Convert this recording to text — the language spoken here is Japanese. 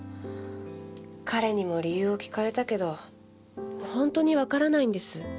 彼にも理由を聞かれたけど本当にわからないんです。